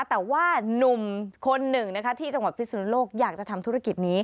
แต่ว่านุ่มคนหนึ่งนะคะที่จังหวัดพิสุนโลกอยากจะทำธุรกิจนี้